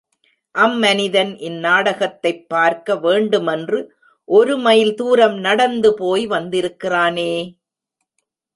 அம் மனிதன் இந்நாடகத்தைப் பார்க்க வேண்டுமென்று ஒரு மைல் தூரம் நடந்து போய் வந்திருக்கிறானே!